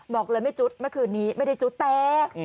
บอกเลยไม่จุดเมื่อคืนนี้ไม่ได้จุดแตก